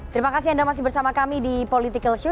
terima kasih anda masih bersama kami di politikalshow